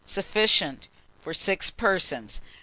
Sufficient for 6 persons.